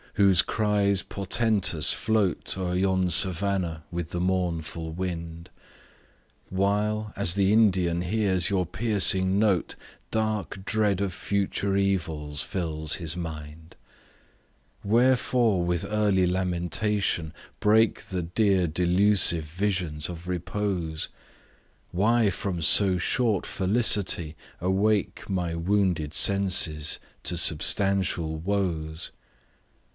whose cries portentous float O'er yon savannah with the mournful wind; While, as the Indian hears your piercing note, Dark dread of future evil fills his mind; Wherefore with early lamentation break The dear delusive visions of repose? Why from so short felicity awake My wounded senses to substantial woes?